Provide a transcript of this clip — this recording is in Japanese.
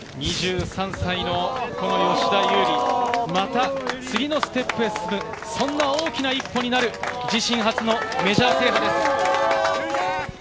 ２３歳の吉田優利、また次のステップへ進む、そんな大きな一歩になる自身初のメジャー制覇です。